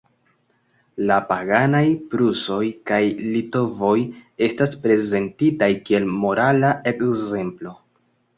La paganaj prusoj kaj litovoj estas prezentitaj kiel morala ekzemplo.